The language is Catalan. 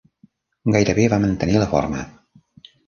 Gairebé va mantenir la forma.